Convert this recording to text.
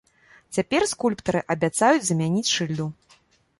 Цяпер скульптары абяцаюць замяніць шыльду.